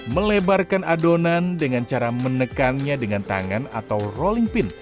melebarkan adonan dengan cara menekannya dengan tangan atau rolling pin